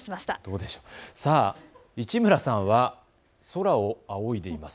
市村さんは空を仰いでいます。